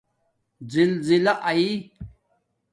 زِزِلا آئئ